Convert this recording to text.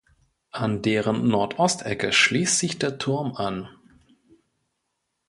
An deren Nord-Ost-Ecke schließt sich der Turm an.